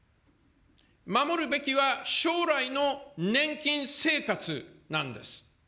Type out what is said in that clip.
守るべきは将来の年金生活なんです。